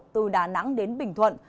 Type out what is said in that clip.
từ đà nẵng đến bình thuận